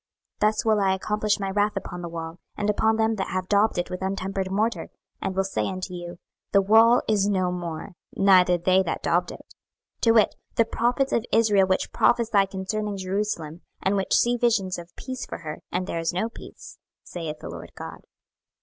26:013:015 Thus will I accomplish my wrath upon the wall, and upon them that have daubed it with untempered morter, and will say unto you, The wall is no more, neither they that daubed it; 26:013:016 To wit, the prophets of Israel which prophesy concerning Jerusalem, and which see visions of peace for her, and there is no peace, saith the Lord GOD.